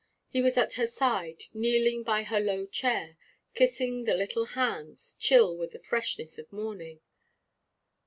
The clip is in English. He was at her side, kneeling by her low chair, kissing the little hands, chill with the freshness of morning.